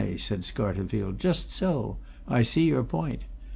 said Scarterfield. "Just so I see your point.